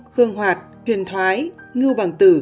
khương hoạt huyền thoái ngư bằng tử